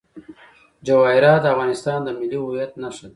جواهرات د افغانستان د ملي هویت نښه ده.